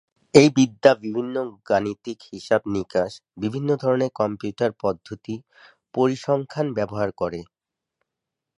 এই বিদ্যা বিভিন্ন গাণিতিক হিসাব নিকাশ, বিভিন্ন ধরনের কম্পিউটার পদ্ধতি, পরিসংখ্যান ব্যবহার করে।